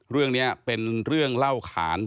เรื่องนี้เป็นเรื่องเล่าขาน